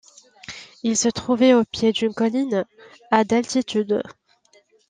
Il se trouvait au pied d'une colline, à d'altitude.